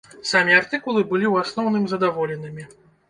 Самі артыкулы былі ў асноўным задаволенымі.